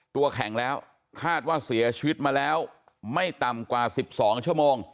ตัวแข็งแล้วคาดว่าเสียชีวิตมาแล้วไม่ต่ำกว่า๑๒ชั่วโมง